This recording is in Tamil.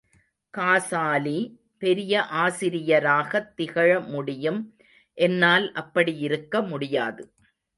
காசாலி, பெரிய ஆசிரியராகத் திகழ முடியும், என்னால் அப்படியிருக்க முடியாது.